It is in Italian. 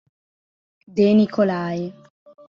De Nicolai